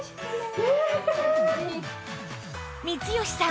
光吉さん